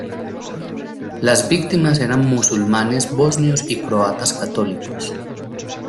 Las víctimas eran musulmanes bosnios y croatas católicos.